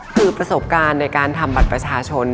คือประสบการณ์ในการทำบัตรประชาชน